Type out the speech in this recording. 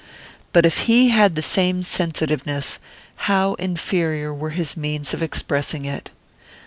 But if he had the same sensitiveness, how inferior were his means of expressing it!